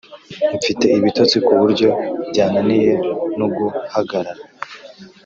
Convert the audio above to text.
Mfite ibitotsi kuburyo byananiye noguhagarara